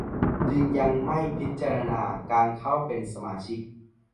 จึงยังไม่พิจารณาการเข้าเป็นสมาชิก